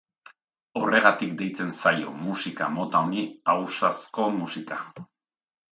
Horregatik deitzen zaio musika mota honi ausazko musika.